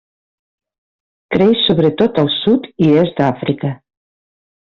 Creix sobretot al Sud i Est d'Àfrica.